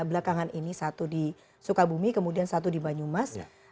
belakangan ini satu di sukabumi kemudian satu di banyumas